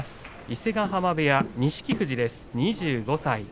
伊勢ヶ濱部屋の錦富士２５歳